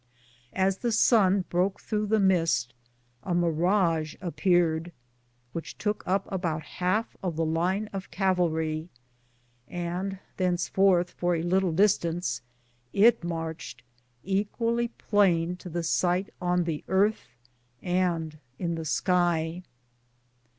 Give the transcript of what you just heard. As the sun broke through the mist a mirage appeared, which took up about half of the line of cav alry, and thenceforth for a little distance it marched, equally plain to the sight on the earth and in the sky.